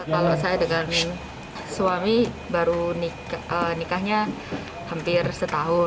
kalau saya dengan suami baru nikahnya hampir setahun